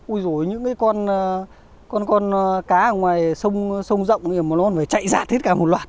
ui dồi những cái con cá ở ngoài sông rộng nó phải chạy rạt hết cả một loạt